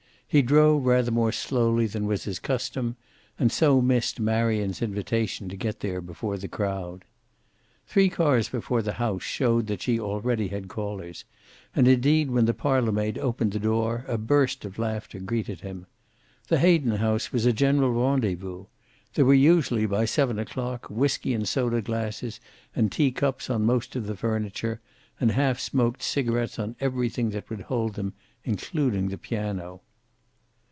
He drove rather more slowly than was his custom, and so missed Marion's invitation to get there before the crowd. Three cars before the house showed that she already had callers, and indeed when the parlor maid opened the door a burst of laughter greeted him. The Hayden house was a general rendezvous. There were usually, by seven o'clock, whiskey and soda glasses and tea cups on most of the furniture, and half smoked cigarets on everything that would hold them, including the piano.